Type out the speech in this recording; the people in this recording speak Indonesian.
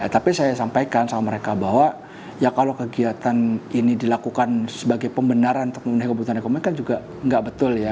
tapi saya sampaikan sama mereka bahwa ya kalau kegiatan ini dilakukan sebagai pembenaran untuk memenuhi kebutuhan ekonomi kan juga nggak betul ya